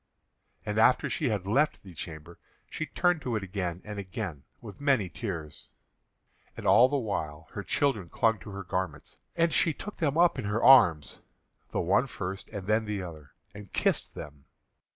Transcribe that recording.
And after she had left the chamber, she turned to it again and again with many tears. And all the while her children clung to her garments, and she took them up in her arms, the one first and then the other, and kissed them.